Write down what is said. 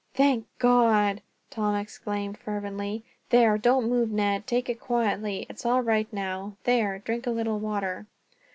"Thank God!" Tom exclaimed fervently. "There, don't move, Ned. Take it quietly. It's all right now. There, drink a little water."